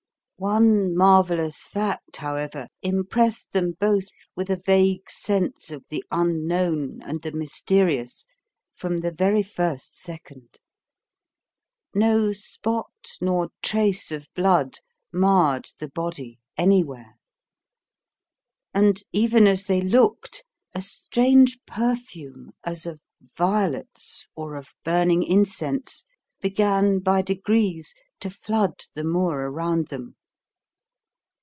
One marvellous fact, however, impressed them both with a vague sense of the unknown and the mysterious from the very first second. No spot nor trace of blood marred the body anywhere. And, even as they looked, a strange perfume, as of violets or of burning incense, began by degrees to flood the moor around them.